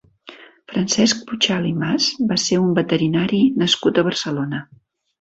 Francesc Puchal i Mas va ser un veterinari nascut a Barcelona.